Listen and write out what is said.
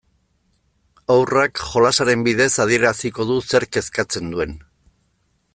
Haurrak jolasaren bidez adieraziko du zerk kezkatzen duen.